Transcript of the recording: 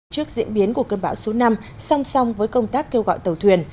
trước diễn biến của cơn bão số năm song song với công tác kêu gọi tàu thuyền